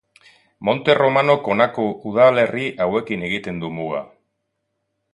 Monte Romanok honako udalerri hauekin egiten du muga.